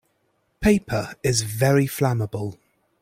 Paper is very flammable.